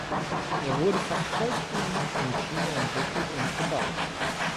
Er wurde fast vollständig in China entwickelt und gebaut.